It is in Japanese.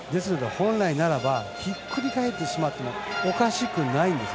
本来ならばひっくり返ってしまってもおかしくないんです。